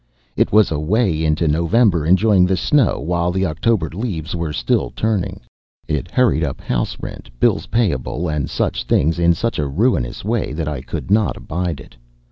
It was away into November enjoying the snow, while the October leaves were still turning. It hurried up house rent, bills payable, and such things, in such a ruinous way that I could not abide it.